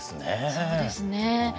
そうですね。